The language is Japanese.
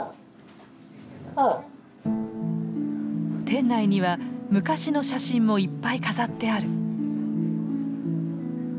店内には昔の写真もいっぱい飾ってある。